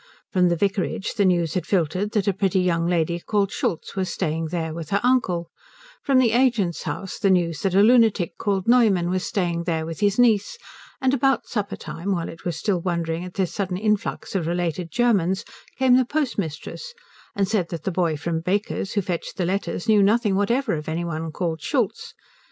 From the vicarage the news had filtered that a pretty young lady called Schultz was staying there with her uncle; from the agent's house the news that a lunatic called Neumann was staying there with his niece; and about supper time, while it was still wondering at this sudden influx of related Germans, came the postmistress and said that the boy from Baker's who fetched the letters knew nothing whatever of any one called Schultz.